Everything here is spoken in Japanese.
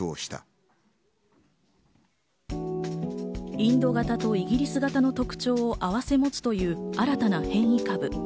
インド型とイギリス型の特徴を併せ持つという新たな変異株。